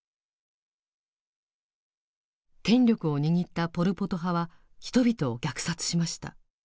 権力を握ったポル・ポト派は人々を虐殺しました。